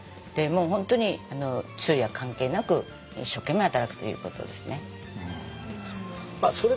もう本当に昼夜関係なく一生懸命働くということですね。